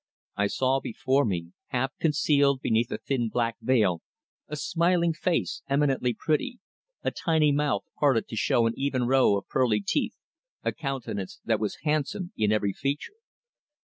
I saw before me, half concealed beneath a thin black veil, a smiling face eminently pretty, a tiny mouth parted to show an even row of pearly teeth, a countenance that was handsome in every feature.